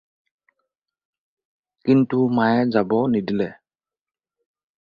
কিন্তু মায়ে যাব নিদিলে।